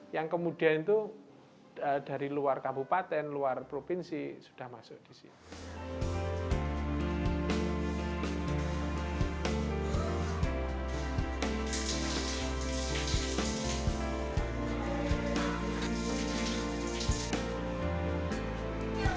yang kemudian itu dari luar kabupaten luar provinsi sudah masuk di sini